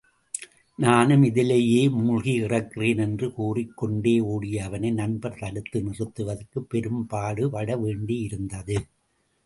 நானும் இதிலேயே மூழ்கி இறக்கிறேன் என்று கூறிக் கொண்டே ஒடிய அவனை நண்பர் தடுத்து நிறுத்துவதற்குப் பெரும்பாடுபட வேண்டியிருந்தது.